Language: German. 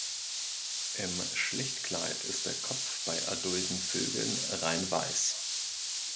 Im Schlichtkleid ist der Kopf bei adulten Vögeln rein weiß.